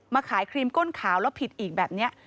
ขายครีมก้นขาวแล้วผิดอีกแบบนี้